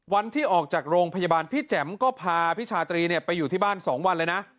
วันที่ออกจากโรงพยาบาลพี่แจ๋มก็พาพี่ชาตรีไปอยู่ที่บ้าน๒วันเลยนะ